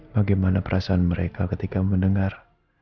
bagaimana perasaan mereka ketika mendengar